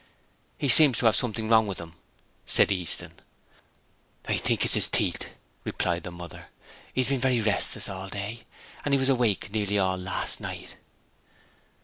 'He seems to have something wrong with him,' said Easton. 'I think it's his teeth,' replied the mother. 'He's been very restless all day and he was awake nearly all last night.'